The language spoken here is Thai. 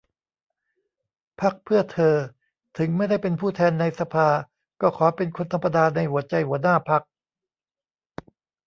พรรคเพื่อเธอ : ถึงไม่ได้เป็นผู้แทนในสภา ก็ขอเป็นคนธรรมดาในหัวใจหัวหน้าพรรค